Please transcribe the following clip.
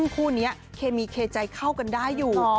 คู่นี้เคมีเคใจเข้ากันได้อยู่